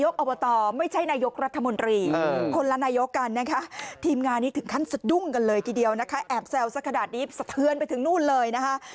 เข้าใจท่านนายกออกมาต่อเลย